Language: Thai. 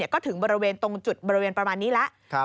ก็ถึงบริเวณตรงจุดบริเวณประมาณนี้แล้ว